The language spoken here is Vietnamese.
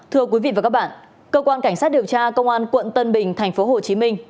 thưa quý vị và các bạn cơ quan cảnh sát điều tra công an quận tân bình thành phố hồ chí minh